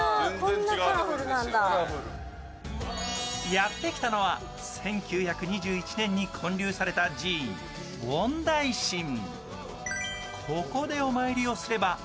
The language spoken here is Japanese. やってきたのは、１９２１年に建立された寺院、ウォンダイシン。